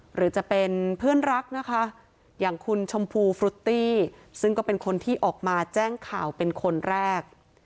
หรือจะเป็นเพื่อนรักนะคะอย่างคุณชมพูฟรุตตี้ซึ่งก็เป็นคนที่ออกมาแจ้งข่าวเป็นคนแรก